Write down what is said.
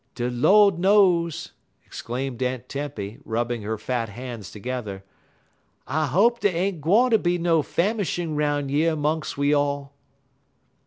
"De Lord knows," exclaimed Aunt Tempy, rubbing her fat hands together, "I hope dey ain't gwine ter be no famishin' 'roun' yer 'mungs we all."